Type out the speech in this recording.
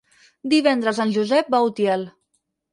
Divendres en Josep va a Utiel.